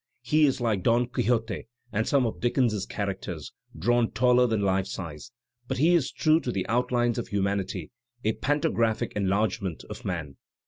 He is, like Don Quixote and some of Dickens's characters, drawn taller than Ufe size, but he is true to the outlines of humanity, a pantographic enlargement of man.